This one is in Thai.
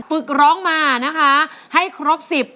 ฝึกร้องมานะคะให้ครบสิบ